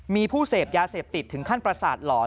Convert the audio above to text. มีผู้เสพยาเสพติดถึงขั้นประสาทหลอน